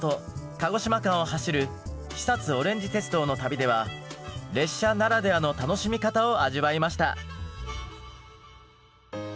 鹿児島間を走る肥おれんじ鉄道の旅では列車ならではの楽しみ方を味わいました。